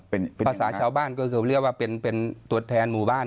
ภาษาชาวบ้านก็เรียกว่าเป็นตรวจแทนหมู่บ้าน